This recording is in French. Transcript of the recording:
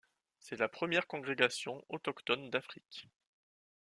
C'est la première congrégation autochtone d'Afrique.